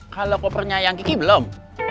kalau kopernya yang kiki belum